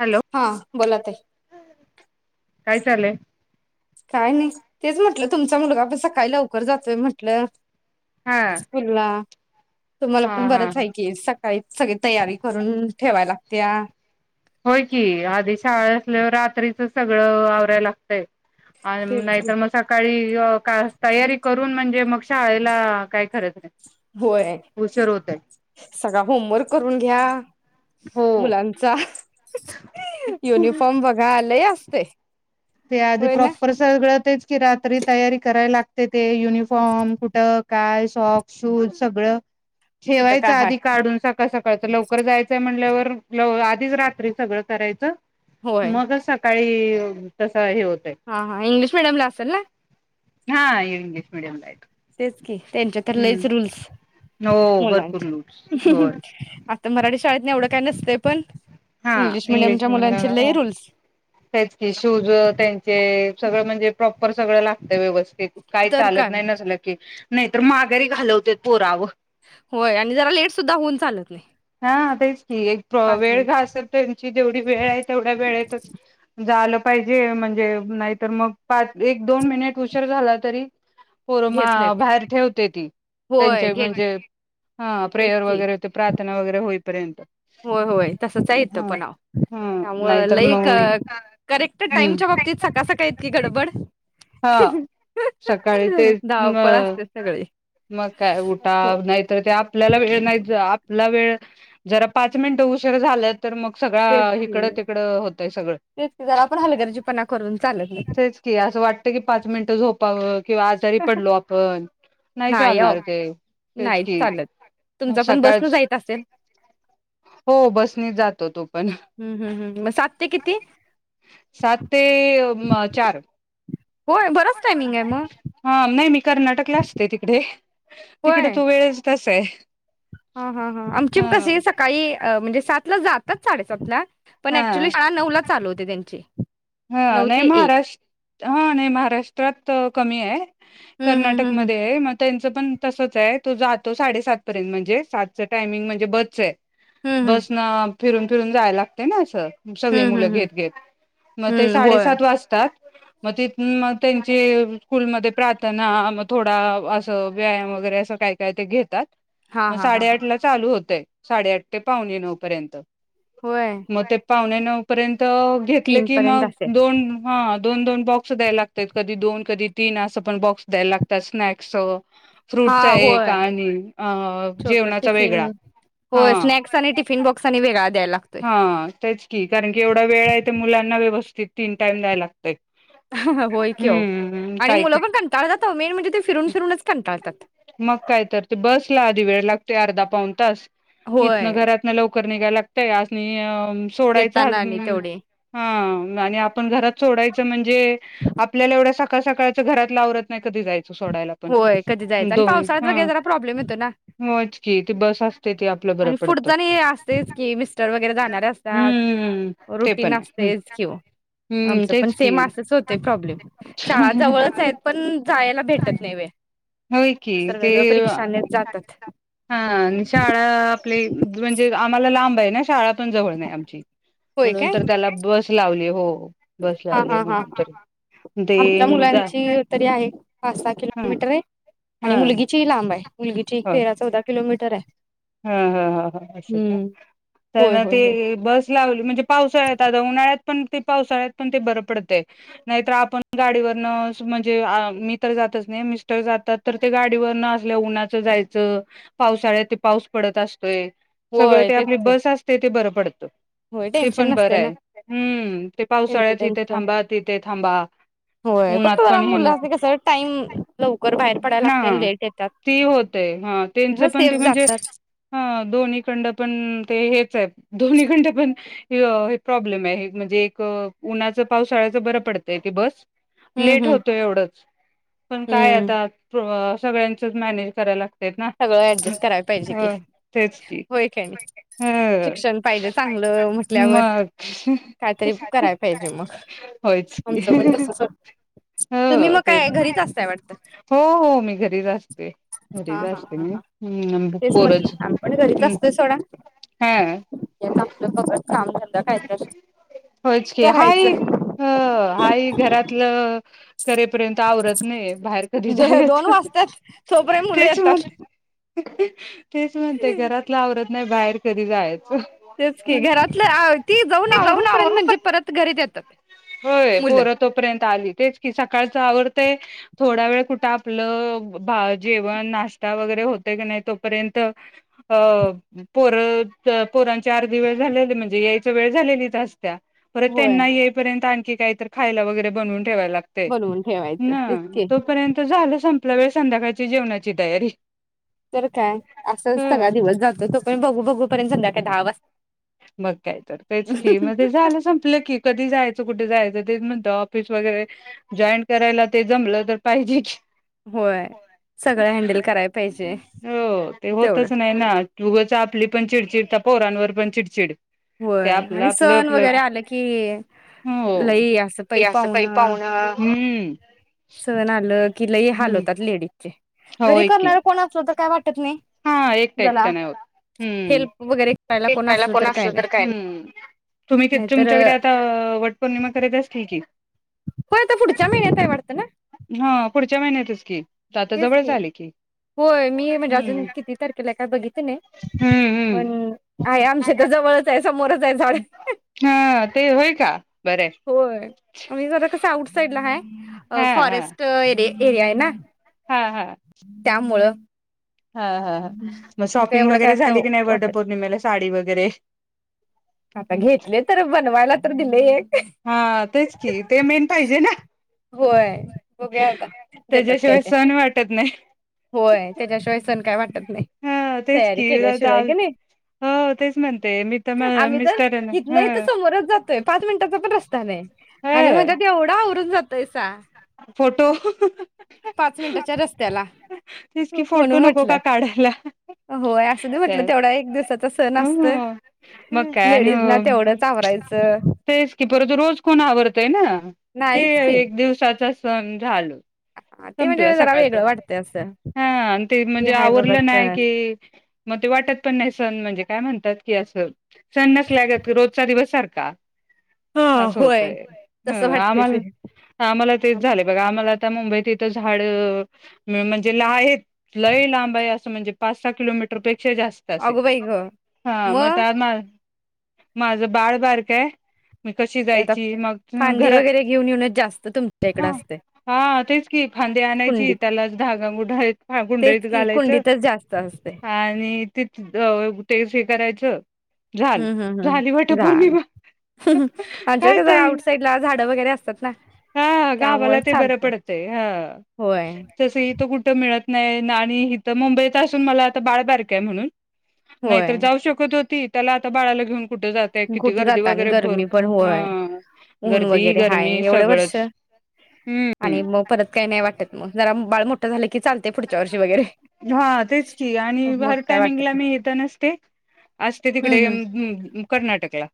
Hello हा. बोला ताई. काय चाललय? काय नाही. तेच म्हटलं तुमचा मुलगा पण सकाळी लवकर जातोय म्हटलं हा स्कूलला तुम्हाला हा पण हा बरंच हाय की सकाळी सगळी तयारी करून ठेवाय लागतीया होय की आधी शाळा असल्यावर रात्रीच सगळं आवरायला लागतंय आणि तेच की नाहीतर म सकाळी ती अ कास तयारी करून म्हणजे मग शाळेला काय खऱ्याच नाही. होय उशीर होतय सगळा होमवर्क करून घ्या हो मुलांचा युनिफॉम बघा लइ असतय ते आधी होय ना प्रॉपर सगळं तेच कि रात्री तयारी करायला लागते ते युनिफॉम, कुठं काय सोक्स, शूज सगळं कुठं काय ठेवायचा हाय आधी काढून स कसं कळतं लवकर जायचय म्हणल्यावर ल आधीच रात्री सगळं करायचं. होय मग असं काळी हा हा इंग्लिश मिडयम ला असल ना. हा इंग्लिश मीडयमलाय तो. तेच की त्यांच्या तर लईच रूल्स. हो भरपूर मुलांचे लूटस होय. शाळेतन एवढं काय नसतंय पण हा इंग्लिश मिडियमच्या इंग्लिशमेडीयमला मुलांचे लय हा रूल्स तेच की शूज त्यांचे सगळं म्हणजे प्रॉपर सगळ लागत व्यव स्थित, काही तर चालत काय नाही नसलं की नाहीतर मार घरी घालवतेत पोर आवं. होय आणि जरा लेट सुद्धा होऊन चालत नाही हा तेच की एक पाच वेळ प्र मिनिट घासल त्यांची जेवढी वेळ तेवढ्या वेळेतच जाल पाहिजे म्हणजे नाही तर मग पाच, एक, दोन मिनिट उशर झाला तरी पोर म घेत नाहीत बाहेर ठेवत्या ती होय त्यांच्या घेत म्हणजे ह तेच प्रेयर की वगैरे ते प्रा- होईपर्यंत होय होय तसंचय इथं हा पण आओ ह त्यामुळे नाहीतर लई क मग करेक्ट टाइम हम् च्या बाबतीत सकाळ-सकाळी इतकी गडबड [inaudible] हा सकाळी ते म धावपळ असते सगळी मग काय उठा हो नाहीतर ते आपल्याला वेळ नाहीच आपला वेळ जरा पाच मिनिटं उशीर झालं. तर मग सगळा तेच की हिकडं तिकडं होतय सगळं तेच की जरा पण हलगर्जीपणा करून चालत नाही तेच की असं वाट की पाच मिनटं झोपाव किंवा आजारी पडलो आपण नाही चालणार ते तेच नाहीच की चालत तुमचा पण बसन सकाळच जायत असेल हो बस नी जातो तो पण हम्म हम्म हम्म मग सात ते किती सात ते अ म चार होय बरच टाइमिंगे म कर्नाटक ला असते तिकडे तिकडे होय तू वेळेस असयं हा हा हा आमची बी कशी सकाळी अ म्हणजे सात ला जातात साडेसात ला पण हा ॲक्च्युली शाळा नवला चालू होते त्यांचे हा नाही महाराष्ट हा नाही महाराष्ट्रात कमी आहे. हम्म हम्म कर्नाटक हम्म मध्ये आहे म त्यांचं पण तसच आहे तो जातो साडेसात पर्यंत म्हणजे सातचं टायमिंग म्हणजे बसच आहे. हम्म हम्म बस न फिरून फिरून जायला लागते ना असं सगळी हम्म मुलं हम्म हम्म घेत घेत मग ते हम्म होय. साडेसात वाजता मग तिथ मग त्यांची स्कूल मध्ये प्रार्थना मग थोडा असं व्यायाम वगैरे असं काय काय ते घेतात. हां मग हां हां हां साडेआठ ला चालू होतय. साडेआठ ते पावणे नऊ पर्यंत होय म ते पावणे नऊ पर्यंत घेत तले तीन की पर्यंत मग असेल दोन ह दोन दोन बॉक्स द्याय लागतात कधी दोन कधी तीन असं पण बॉक्स द्यायला लागतात स्नॅक्सचं हा होय अ छोटं जेवणाचा टिफिन, वेगळा हा होय स्नॅक्स आणि टिफिन बॉक्स आणि वेगळा द्यायला ला - हा तेच की कारण की एवढा वेळ आहे त मुलांना व्यवस्तित तीन टाईम द्यायला लागतय. होय की आओ हम्म आणि काय मुलं पण कंटाळतात मेन म्हणजे ते फिरून फिरूनच कंटाळतात. मग काय तर ते, बसला आधी वेळ लागते अर्धा पाऊन तास. होय इथन घरात न लवकर निघायला लागतय अस आणि आ सोडायचं येताना आणि हसम तेवढे सोड आप घरात सोडायच म्हणजे आपल्याला एवड्या सका का सकाळच घरातल आवरत नाही. कधी जाय सोडायला पण जायच आणि दोन पावसाळ्यात हा वगैर जरा प्रॉब्लेम येतो ना होच की ती बस असते ती आपलं बरं आणि पुढच पडतं आणि असतयच कि मिस्टर वगैरे जाणारे असतात हम्म ते रुटीन पण आहे असतेच किं हम्म आमच पण तेच की सेम असच होते प्रॉब्लेम शाळा जवळच आहेत पण जायला भेटत होय की ते, सर्व परीक्षानेच जातात. शाळा आपली म्हणजे आम्हाला लाब ना [inaudible] शाळा पण जवळ नाही आमची होय म्हणून काय? तर, त्याला बस- लावली हो. बस हा, लावली हा, हा म्हणून हं तरी ते आमच्या जा मुलांची तरी आहे पाच- सहा हा किलोमीटर आहे. आणि हा मुलगीची ही लांब आहे. मुलगीची एक हो तेरा-चौदा किलोमीटर- त्तर [unintelligible] हा हा ह ह अस का होय होय ते होय बस [unintelligible] म्हणजे पावसाळ्यात आता उन्हाळ्यात पण पावसाळ्यात पण ते बर पडतं नाहीतर आपण गाडीवर न म्हणजे मी तर जातच नाही मिस्टर जातात तर ते गाडीवर न असल्या उन्हाचं जायचं पावसाळ्यात [unintelligible] पाऊस पडत अस- व्हय, सगळं होय ते तेच आपली की बस असते. ते बरं पडतो? होय ते टेन्शन पण नसते बरं ना आहे हम्म ते त्यांचं पावसाळ्यात तिथे त्यांचं. थांबा तिथे थांबा होय उन्हात फक्त जरा पण हे नको मुलासनी कसं टाइम लवकर बाहेर पडायला लागते आणि ह लेट येतात. ती होतेय ह त्यांच पण सेफ ते म्हणजे जातात. [inaudible] हा दोन्ही खंड, पण ते हेच आहे. दोन्ही खंड, पण प्रॉब्लेम आहे म्हणजे एक उन्हाच, पावसाळ्याचं बरं पडतंय ते बस. हम्म लेट हम्म. होतो एवढंच, पण काय हम्म आता सगळ्यांच मॅनेज करायला ला- सगळं एडेजस्ट करायच [inaudible] हो, तेच की, ह शिक्षण पाहिजे चांगलं म्हटल्यावर मग कायतरी करायला पाहिजे मग होयच की, आमचं पण तसंच होतं. तुम्ही हो मग तेच. काय घरीच असताय वाटतं हो, हो मी घरीच असते. असे म हम् नम् [unintelligible] आम्हीच म्हटलो. आम्ही पण घरीच आसतोय सोडा हेच आपलं बघत काम झाल होयचकी हाय करायचं अ हाय घरातलं [inaudible] करेपर्यंत आवरत नाही. बाहेर कधी जायायच दोन वाजतात तोपर्यंत मुलं तेच येतात म्हणते तेच म्हणते घरातला आवरत आणि बाहेर कधी जाया तेच कि घरातलं आव ती जाऊन आवरूपर्यंत म्हणजे परत घरीच येतात. होय मुलं पोर तोपर्यंत आली तेच की सकाळचा आव ते थोडा वेळ कुठे आपलं जेवण नाश्ता वगैरे होतय काय नाही तोपर्यंत अ पोर पोरांची अर्धी वेळ झालेली म्हणजे यायची वेळ झालेलीच आस त्या परत होय त्यांना ये आणखी काय तर खायला वगैरे बनवून ठेवाय लागतय बोलवून ठेवायचं ना तेच की तोपर्यंत झाल संपतय थोडा वेळ संध्याकाळची जेवणाची तयारी तर काय ह आसच सगळा दिवस जातो तो पण बघू, बघू पर्यंत संध्याकाळ दहा वाजत मग काय तर तेच की मध्ये झालं संपलं की कधी जायच कुठ जायच तेच म्हणतो ऑफिस वगैरे जॉईन करायला ते जमलं तर पाहिजे की होय सगळं हँडल कराय पाहिजे. हो ते तेवढं होतच नाही, ना उगच आपली पण चिडचिड त्या पोरांनवर पण चिड चिड होय आणि सण वगैरे आलं की हो लई आसं पई पाऊणं हम. सण आलं की लई हाल होतात लेडीजचे घरी होय की करणार कोण आसल तर काय वाटत [unintelligible] हा एकट एकट जला नाही होत हुं [unintelligible] कोण असलं तर काय तुम्ही नाहीतर तुमच्याकडे आता वट पौर्णिमा करीत असतील की? होय आता पुढच्या महिन्यात हाय वाटतं ना? हा पुढच्या महिन्यातच की आता तेच जवळच की आले होय मी म्हणजे अजून हम्म किती तारखेला काय बघितल नाही हम्म हम्म पण आहे आमच्या तर जवळच आहे समोरच आहे झाड, हा ते होय का बरं होय आम्ही जरा कस आउट साईडला हाय. अ हा हा फॉरेस्ट एरिय- एरियाय ना हा त्यामुळं ह ह ह मग काय शॉपिंग एवढं काय वगैरे असं झाली की, नाही वाटत वटपौर्णिमेला साडी वगैर- वैगरे आता घेतले तर बनवायला तर दिलय एक हा तेच की ते मेन पाहिजे ना होय. बघूया आता देतात काय त्याच्याशिवाय ते सण वाटत नाही. होय त्याच्याशिवाय सण काय वाटत नाही हा तेच तयारी की केल्याशिवाय चाल की, नाही हो तेच म्हणते मी तर आम्ही तर मिस्टर इथन ह इथ समोरच जातोय पाच मिनटाचा रस्ता नाही. आणि ह म्हणत्यात एवढा आवरून जात. तैसा फोटो मिनिटाच्या रस्त्याला तेच कि फोटो म्हणून नको म्हटलं का काढायला. होय असं दे म्हटलं तेवढा एक दिवसाचा सण असतोय ह मग काय लेडीज ना आणि तेवढंच आवरायचं तेच की परत रोज कोण आवरतय ना ते नाहीच की एक दिवसा त सन झाल. हा, ते संपलं म्हणजे जरा सकाळच वेगळं वाटतंय असं हा आण ते की म्हणजे हाय बाबा आवरलं नाही सण की, मग ते वाटत पण नाही सण म्हणजे काय म्हणतात की असं, सणनसल्यागत रोजचा दिवस सारखा हा असं होय. होतंय. ह तसं वाटतंय आम्हाला ते आम्हाला तेच झालं बघा आम्हाला मुंबईतीत. त झाडं म म्हणजे आहेत. लय लांब आय असं म्हणजे पाच-सहा किलोमीटर पेक जास्त असे अगं बाई गं ह म मग अता माझं बाळ बारकय ते आता फांदी वगैरे घेऊन येऊनच जास्त तुमच्या इकडं असतंय ती फांदी आणायची, कुंडीत त्यालाच धागा गुंडळीत गुंडळीत तेच की घालायचं कुंडीतच जास्त असतंय आणि तिथेच अ तेच हे करायचं झाल हूं हूं झाली हूं! झालं. वटपौर्णिमा आमच्या काय इकडं जरा ताई आउटसाईडला झाडं वगैरे असतात ना. हा, त्यामुळे गावाला ते बरं चालतंय पडतंय. हं. होय तसं इथं कुठं मि मिळत नाही आणि इथं मुंबईत असून मला आता बाळ बारकं हाय हणून नाहीतर होय जाऊ शकत होती. त्याला आता बाळाला घेऊन कुठे जाताय. किती कुठं गर्दी जाता आणि वगैरे गरमी भरपूर. पण होय अ ऊन गर्दी, वगैरे हाय गर्मी. एवढं वर्ष आणि मग परत काही नाही वाटत मग. जरा बाळ मोठं झालं की चालतंय पुढच्या वर्षी वगैरे. हां तेच की आणि मग भार काय वाटत टायमिंगला नाही मी इथं नसते. असते तिकडे हम्म अ हम्म म्ब कर्नाटकला.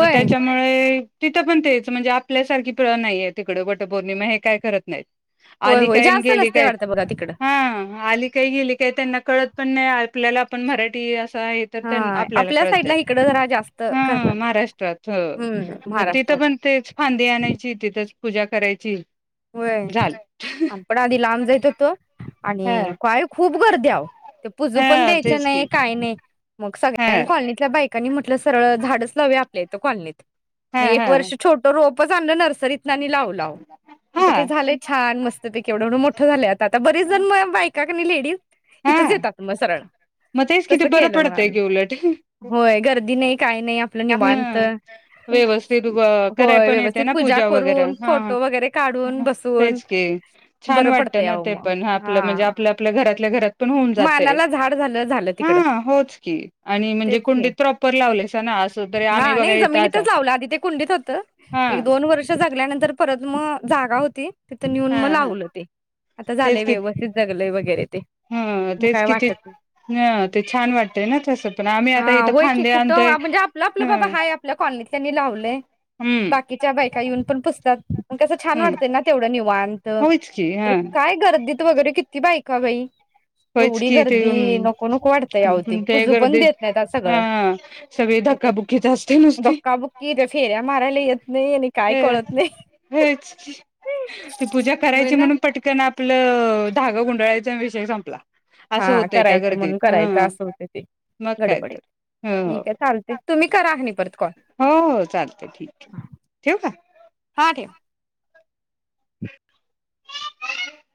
मग त्याच्यामुळे तिथं पण तेच म्हणजे आपल्यासारखी प नाहीे तिकडे, वटपौर्णिमा हे काय करत नाहीत. होय आली होय काय न् जास्त गेली नसते काय. वाटतं बघा तिकडं हां आली केली काय त्यांना कळत पण नाही, आपल्याला पण मराठी आस कायेय हा तर, आपल्याला आपल्या साईडला कळतयं. इकडं जरा जास्त हं, करतात महाराष्ट्रात. हम्म हो, तिथं महाराष्ट्रात पण तेच फांदी आणायची तिथंच पूजा करायची व्हय. झाल आपण आधी लांब जाइत हुतो. ह आणि काय ख खूप गर्दी आवो. ते पुजू पण हा द्यायच्या तेच की नाही, काय नाही. मग हा सगळ्यांनी कॉलनीतल्या बायकांनी म्हटलं सरळ झाडचं लावूया आपल्या इथं. इथं कॉलनीत. हा मग एक हा वर्ष छोटं रोप पच आणलं नर्स सरितनं आणि लावलं आवो. हा आता ते झालंय छान, मस्तपैकी. एव्हढं एव्हढं मोठ्ठ झालंय आता, आता बरेच जण मला बा का गं न लेडी? हा इथंच येतात मग सरळ. मग तेच किती तसं बरं केलं मग पडतंय आम्ही. की उलट होय, गर्दी नाही काही नाही, आपलं निवांत. ह व्यवस्थित कराय होय, पण येते व्यवस्थित ना पूजा वगैरे करून, हा फोटो वगैरे काढून बसून तेच की. छान बरं वाटतं पडतंय ना अहो ते मग पण. हा आपलं म्हणजे आपल्याल्या घ घरातल्या घरात. पण होऊन जातंय. मानाला झाड झालं झालं ह, तिकडं होच की. आणि म्हणजे तेच की कुंडीत प्रॉपर लावलंयसाना असं, तरी आम्ही हा बघा नाही इथं आता. जमिनीतच लावलं आधी हां गल्यानंतर परत मग जागा होती तिथं नेऊन मग हां, हां लावलं ते. आता तेच झालंय, की व्यवस्थित जगलंय वगैरे ते. हं, तेच काय किती वाटत नाही. हं, ते छान वाटतंय ना तसं पण आम्ही आता हा इथं व्हय की. फांदे आणतोय कुठं, म्हणजे आप आपलं बाबा हं, हाय, आपल्या कॉलनीतल्यांनी लावलंय, हं, बाकीच्या बायका येऊन पण पुस्तक मग कसं छान हं वाटतंय ना तेवढं निवांत. होयच की तर हां, काय गर्दीत वगैरे की. ती बायका बाई होयच एवढी की ते गर्दी नको नको वाटत अव ते, अं, पूजू पण देत गर्दीत नाहीत सगळं हां, सगळी धक्काबुक्कीच असते धक्काबुक्की ते फेऱ्या मारायला येत नाही आणि काय कळत नाही. हम्म हेच ते पूजा होय करायची ना म्हणून पटकन आपलं धागा गुंडाळायचा अन विषय संपला. असं हा होतंय त्या करायच म्हणून गर्दीत करायचं हं. असं होत, ते मग काय गडबडीत तर हो ठीक हो आहे. चालते तुम्ही करा नाही. परत कॉल हो हो चालतंय ठीक आहे, ठेवू का? हा ठेव.